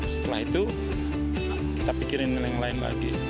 setelah itu kita pikirin yang lain lagi